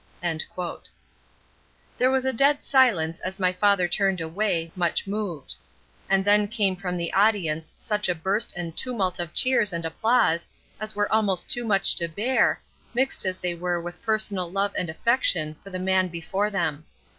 '" There was a dead silence as my father turned away, much moved; and then came from the audience such a burst and tumult of cheers and applause as were almost too much to bear, mixed as they were with personal love and affection for the man before them.